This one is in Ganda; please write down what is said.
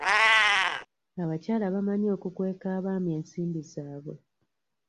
Abakyala bamanyi okukweka abaami ensimbi zaabwe.